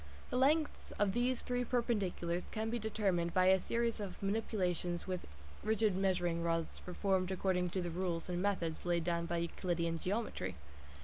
The lengths of these three perpendiculars can be determined by a series of manipulations with rigid measuring rods performed according to the rules and methods laid down by Euclidean geometry.